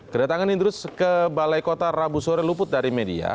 kedatangan idrus ke balai kota rabu sore luput dari media